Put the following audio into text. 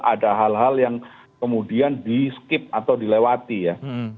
ada hal hal yang kemudian di skip atau dilewati ya